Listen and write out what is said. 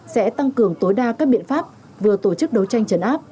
sẽ tăng cường tối đa các biện pháp vừa tổ chức đấu tranh chấn áp